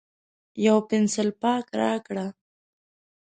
یو پینسیلپاک راکړئ